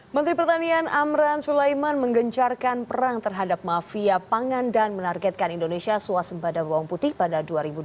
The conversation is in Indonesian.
menteri pertanian amran sulaiman menggencarkan perang terhadap mafia pangan dan menargetkan indonesia suasembada bawang putih pada dua ribu dua puluh